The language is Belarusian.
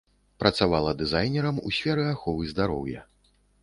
Працавала дызайнерам і ў сферы аховы здароўя.